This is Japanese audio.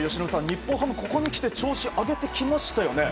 日本ハム、ここにきて調子を上げてきましたよね。